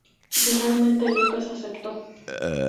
Finalmente Lucas aceptó.